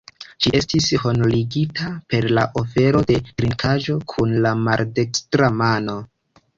Ŝi estis honorigita per la ofero de trinkaĵo kun la maldekstra mano.